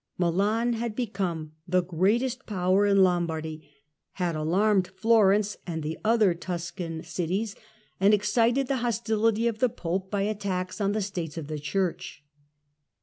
Milan had become the greatest power in Lombardy, had alarmed Florence and the other Tuscan ITALY, 1382 1453 187 cities, and had excited the hostility of the Pope by attacks on the States of the Church.